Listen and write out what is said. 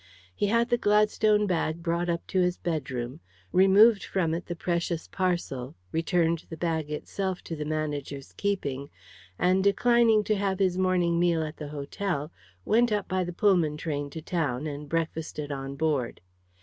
He had the Gladstone bag brought up to his bedroom, removed from it the precious parcel, returned the bag itself to the manager's keeping, and, declining to have his morning meal at the hotel, went up by the Pullman train to town, and breakfasted on board.